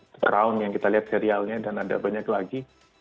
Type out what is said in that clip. the crown yang kita lihat serialnya dan ada banyak lagi